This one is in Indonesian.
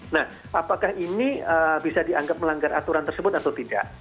nah apakah ini bisa dianggap melanggar aturan tersebut atau tidak